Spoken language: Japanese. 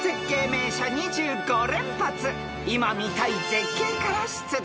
［今見たい絶景から出題］